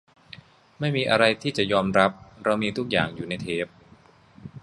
ไม่มีอะไรที่จะยอมรับ เรามีทุกอย่างอยู่ในเทป